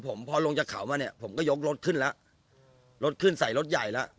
ผมพอลงจากเขามาเนี่ยผมก็ยกรถขึ้นแล้วรถขึ้นใส่รถใหญ่แล้ว